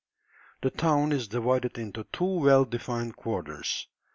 The town is divided into two well defined quarters.